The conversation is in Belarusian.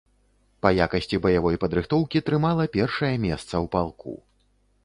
Па якасці баявой падрыхтоўкі трымала першае месца ў палку.